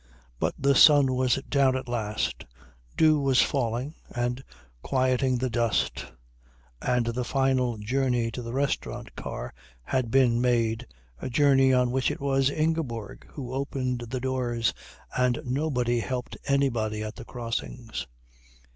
But the sun was down at last, dew was falling and quieting the dust, and the final journey to the restaurant car had been made, a journey on which it was Ingeborg who opened the doors and nobody helped anybody at the crossings.